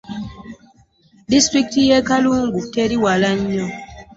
Disitulikiti y'e Kalungu teri wala nnyo.